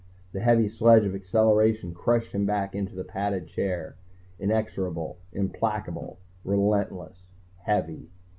The heavy sledge of acceleration crushed him back into the padded chair, inexorable, implacable, relentless, heavy.